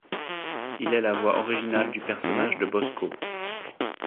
Il est la voix originale du personnage de Bosko.